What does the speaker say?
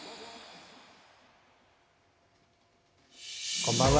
こんばんは。